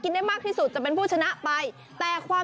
มีหลากหลายการแข่งขันคุณผู้ชมอย่างที่บอกอันนี้ปาเป้าเห็นมั้ยก็ม